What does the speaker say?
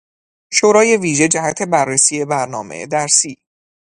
شورای ویژه جهت بررسی برنامهی درسی